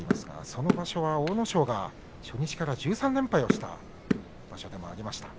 その場所は阿武咲が初日から１３連敗した場所でした。